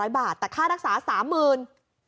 ๒๐๐บาทแต่ค่านักศึกษา๓๐๐๐๐บาท